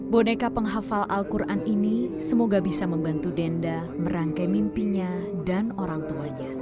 boneka penghafal al quran ini semoga bisa membantu danda merangkai mimpinya dan orangtuanya